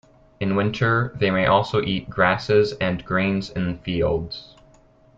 In winter, they may also eat grasses and grains in fields.